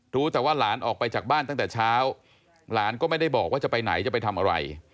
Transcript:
รู้แต่ว่าหลานออกไปจากบ้านตั้งแต่เช้าหลานก็ไม่ได้บอกว่าจะไปไหนจะไปทำอะไร